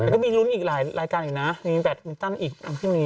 ก็มีรุ้นอีกหลายลายรายการนะมีแบตมินตั้นอีกอันร่างที่นี้